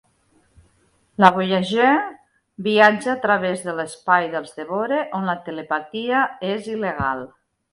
La "Voyager" viatja a través de l'espai dels Devore, on la telepatia és il·legal.